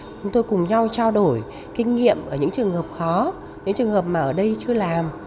chúng tôi cùng nhau trao đổi kinh nghiệm ở những trường hợp khó những trường hợp mà ở đây chưa làm